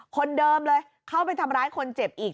คนเดิมเลยเข้าไปทำร้ายคนเจ็บอีก